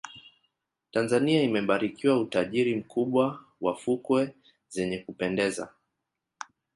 tanzania imebarikiwa utajiri mkubwa wa fukwe zenye kupendeza